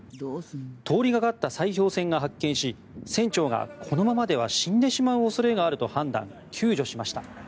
通りがかった砕氷船が発見し船長がこのままでは死んでしまう恐れがあると判断救助しました。